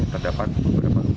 terdapat beberapa tukang